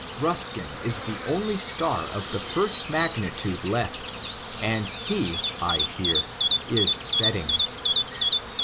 Euskin is the only star of the first magnitude left, and he, I hear, is setting.